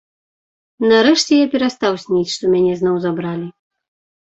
Нарэшце я перастаў сніць, што мяне зноў забралі.